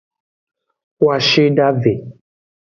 Kwashidave.